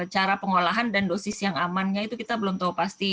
cara pengolahan dan dosis yang amannya itu kita belum tahu pasti